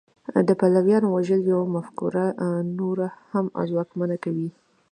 د پلویانو وژل یوه مفکوره نوره هم ځواکمنه کوي